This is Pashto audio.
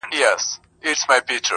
زما خو ټوله كيسه هر چاته معلومه~